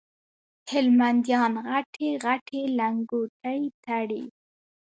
هلمنديان غټي غټي لنګوټې تړي